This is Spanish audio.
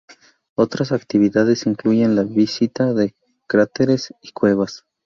Otras actividades incluyen la visita de cráteres y cuevas.